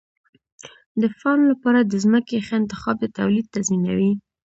د فارم لپاره د ځمکې ښه انتخاب د تولید تضمینوي.